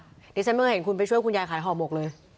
เดี๋ยวฉันเหมือนเห็นคุณไปช่วยคุณยายขายขอบบกเลย